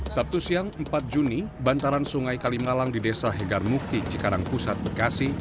sabtu siang empat juni bantaran sungai kalimalang di desa hegar mukti cikarang pusat bekasi